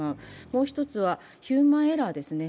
もう一つは、ヒューマンエラーですね。